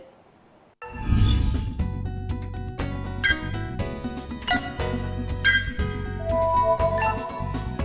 cảnh sát điều tra bộ công an